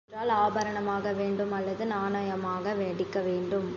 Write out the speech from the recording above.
அது பயன்பட வேண்டுமென்றால் ஆபரணமாக வேண்டும் அல்லது நாணயமாக அடிக்க வேண்டும்.